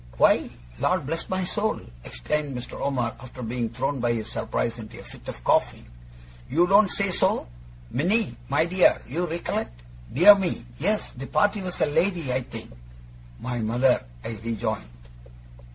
'Why, Lord bless my soul!' exclaimed Mr. Omer, after being thrown by his surprise into a fit of coughing, 'you don't say so! Minnie, my dear, you recollect? Dear me, yes; the party was a lady, I think?' 'My mother,' I rejoined.